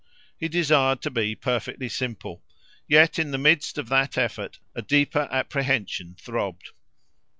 He desired to be perfectly simple, yet in the midst of that effort a deeper apprehension throbbed.